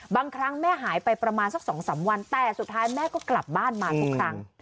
บางครั้งแม่หายไปประมาณสัก๒๓วันแต่สุดท้ายแม่ก็กลับบ้านมาทุกครั้ง